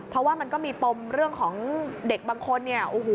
เพราะว่ามันก็มีปมเรื่องของเด็กบางคน